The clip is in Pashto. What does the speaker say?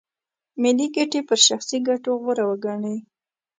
ملي ګټې پر شخصي ګټو غوره وګڼي.